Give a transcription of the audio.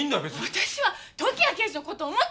私は時矢刑事の事を思って。